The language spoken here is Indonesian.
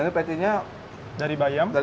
ini patty nya dari bayam ya